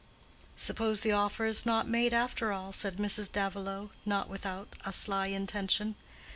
"Suppose the offer is not made after all," said Mrs. Davilow, not without a sly intention.